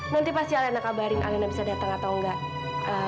nanti pasti alena kabarin alena bisa datang atau enggak